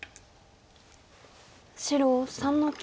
白３の九。